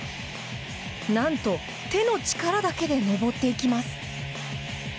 何と手の力だけで登っていきます。